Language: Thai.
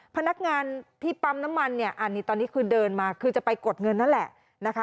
พนักงานที่ปั๊มน้ำมันเนี่ยอันนี้ตอนนี้คือเดินมาคือจะไปกดเงินนั่นแหละนะคะ